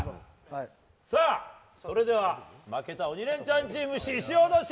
それでは負けた「鬼レンチャン」チームししおどし！